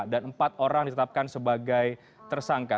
dan empat orang ditetapkan sebagai tersangka